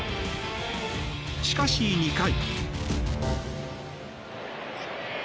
しかし、２回。